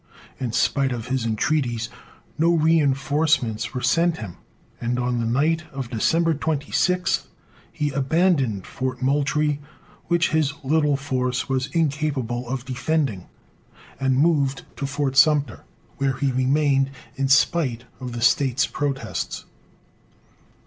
In spite of his entreaties, no reinforcements were sent him, and on the night of December 26 he abandoned Fort Moultrie, which his little force was incapable of defending, and moved to Fort Sumter, where he remained in spite of the state's protests.